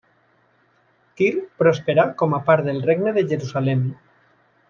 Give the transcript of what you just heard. Tir prosperà com a part del Regne de Jerusalem.